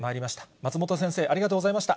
松本先生、ありがとうございました。